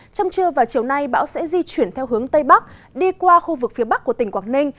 trong trưa và chiều nay bão sẽ di chuyển theo hướng tây bắc đi qua khu vực phía bắc của tỉnh quảng ninh